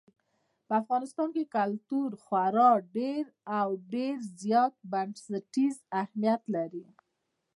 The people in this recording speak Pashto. په افغانستان کې کلتور خورا ډېر او ډېر زیات بنسټیز اهمیت لري.